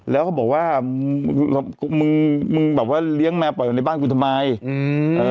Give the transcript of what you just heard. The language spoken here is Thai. แล้วเขาบอกว่ามึงมึงแบบว่าเลี้ยงแมวปล่อยอยู่ในบ้านกูทำไมอืมเออ